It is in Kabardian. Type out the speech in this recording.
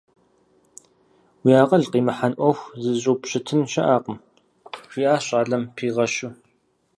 Уи акъыл къимыхьын Ӏуэху зыщӀупщытын щыӀэкъым, – жиӀащ щӀалэм пигъэщу.